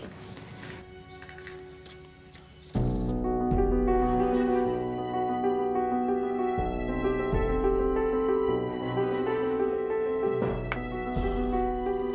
tunggu aku mau pergi